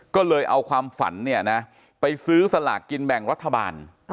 ก็เลยเอาความฝันไปซื้อสลากกินแบ่งรัฐบาล